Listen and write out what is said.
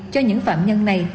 cho những phạm nhân này